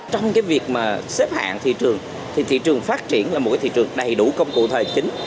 trong cái việc mà xếp hạng thị trường thì thị trường phát triển là một cái thị trường đầy đủ công cụ thời chính